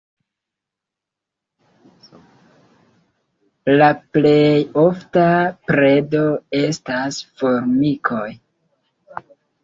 La plej ofta predo estas formikoj.